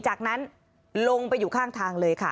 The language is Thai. จากนั้นลงไปอยู่ข้างทางเลยค่ะ